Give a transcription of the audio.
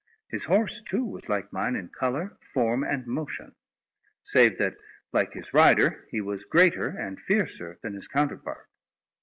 His horse, too, was like mine in colour, form, and motion; save that, like his rider, he was greater and fiercer than his counterpart.